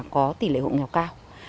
có tỷ lệ hộ nghèo cao